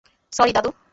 Sorry, দাদু।